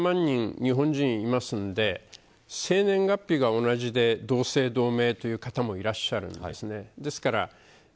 １億２０００万人日本人いますので生年月日が同じで同姓同名という方もいらっしゃるんですね。